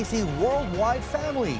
selamat datang di cnbc family